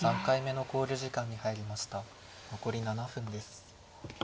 残り７分です。